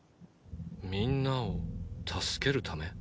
みんなをたすけるため？